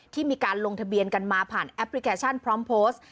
ที่มีการลงทะเบียนกันมาผ่านแอปพลิเคชันพร้อมโพสต์